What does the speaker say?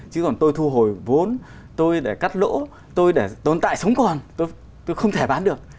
chứ còn tôi thu hồi vốn tôi để cắt lỗ tôi để tồn tại sống còn tôi không thể bán được